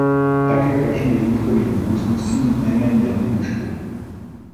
Také každý hlídkový vůz musí mít nejméně jednu pušku.